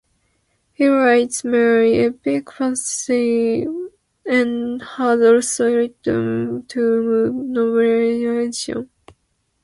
He writes mainly epic fantasy, and has also written two movie novelizations.